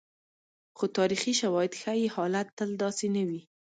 خو تاریخي شواهد ښيي، حالت تل داسې نه وي.